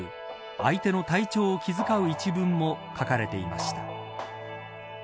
相手の体調を気遣う一文も書かれていました。